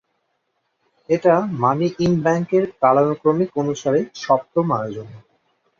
এটা Money in Bank এর কালানুক্রমিক অনুসারে সপ্তম আয়োজন।